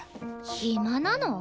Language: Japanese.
暇なの？